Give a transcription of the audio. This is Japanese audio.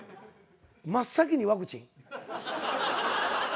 真っ先にワクチン。